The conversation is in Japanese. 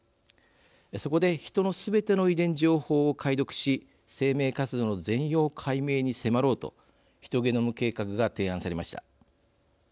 そこで、ヒトのすべての遺伝情報を解読し生命活動の全容解明に迫ろうとヒトゲノム計画が提案されました。